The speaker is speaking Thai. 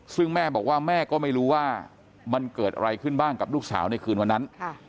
ซึ่งแม่บอกว่าแม่ก็ไม่รู้ว่ามันเกิดอะไรขึ้นบ้างกับลูกสาวในคืนวันนั้น